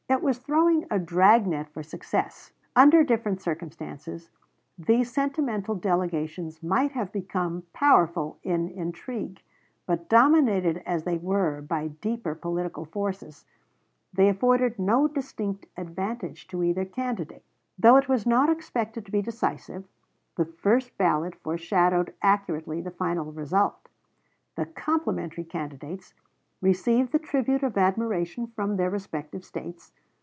It was throwing a drag net for success. Under different circumstances, these sentimental delegations might have become powerful in intrigue; but dominated as they were by deeper political forces, they afforded no distinct advantage to either candidate. Though it was not expected to be decisive, the first ballot foreshadowed accurately the final result. The "complimentary" candidates received the tribute of admiration from their respective States.